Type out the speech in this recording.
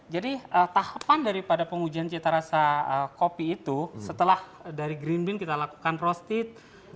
jadi tahapan dari pengujian cita rasa kopi itu setelah dari green bean kita lakukan roasted